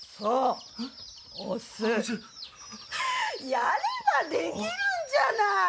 やればできるんじゃない。